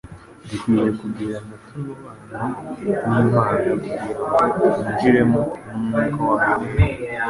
Dukwiriye kugirana tunubano n'Imana kugira ngo twinjirwemo n'Umwuka wayo wera;